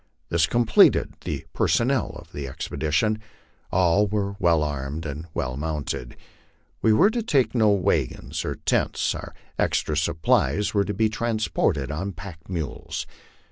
This completed the personnel of the expedition. All were w^ll armed and well mounted. We were to take no wagons or tents ; our extra supplies were to be transported on pack mules.